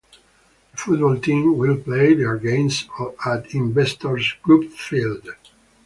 The football team will play their games at Investors Group Field.